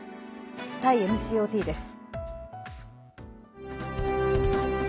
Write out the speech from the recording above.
タイＭＣＯＴです。